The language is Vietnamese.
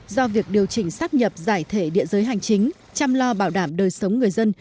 do việc điều chỉnh sắp nhập giải thể địa giới hành chính chăm lo bảo đảm đời sống người dân